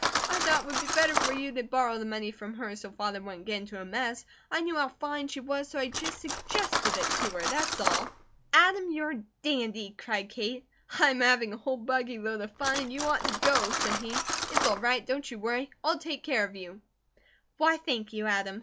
I thought it would be better for you to borrow the money from her, so Father wouldn't get into a mess, and I knew how fine she was, so I just SUGGESTED it to her. That's all!" "Adam, you're a dandy!" cried Kate. "I am having a whole buggy load of fun, and you ought to go," said he. "It's all right! Don't you worry! I'll take care of you." "Why, thank you, Adam!"